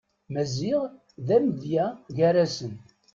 Maziɣ d amedya gar-asen.